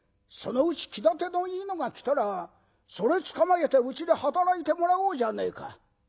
そのうち気立てのいいのが来たらそれつかまえてうちで働いてもらおうじゃねえか。